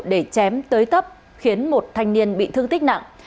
để chém tới tấp khiến một thanh niên bị thương tích nặng